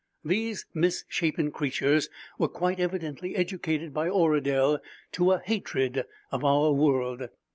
"These misshapen creatures were quite evidently educated by Oradel to a hatred of our world.